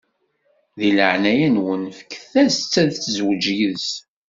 Di leɛnaya-nwen, fket-as-tt ad izweǧ yid-s.